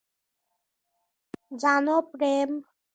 জানো, প্রেম?